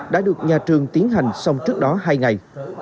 đã được nhà trường tiến hành xong trước đó hai ngày